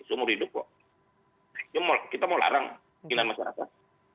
seumur hidup kok kita mau larang keinginan masyarakat